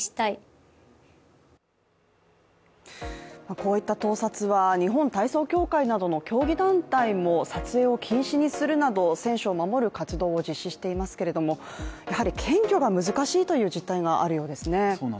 こういった盗撮は日本体操協会などの競技団体も撮影を禁止にするなど選手を守る活動を実施していますけれども、やはり検挙が難しいという実態があるようですね。